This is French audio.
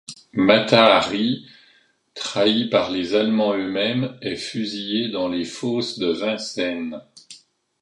Mata Hari, trahie par les Allemands eux-mêmes, est fusillée dans les fosses de Vincennes.